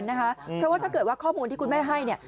เพราะว่าถ้าเกิดว่าข้อมูลที่คุณแม่ให้เนี่ย